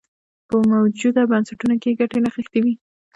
په موجوده بنسټونو کې یې ګټې نغښتې وې.